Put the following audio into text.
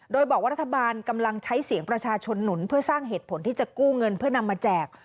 โดยบอกว่ารัฐบาลกำลังใช้เสียงประชาชนหนุนเพื่อสร้างเหตุผลที่จะกู้เงินเพื่อนำมาแจก